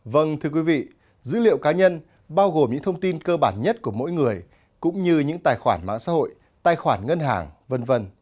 vâng thưa quý vị dữ liệu cá nhân bao gồm những thông tin cơ bản nhất của mỗi người cũng như những tài khoản mạng xã hội tài khoản ngân hàng v v